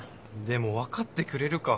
でも分かってくれるか。